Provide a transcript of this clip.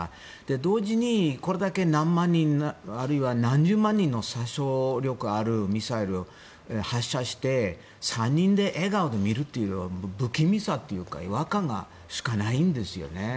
同時に、これだけ何万人あるいは何十万人の殺傷能力があるミサイルを発射して３人で笑顔で見るっていう不気味さっていうか違和感しかないんですよね。